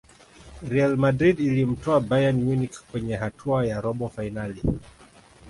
real madrid ilimtoa bayern munich kwenye hatua ya robo fainali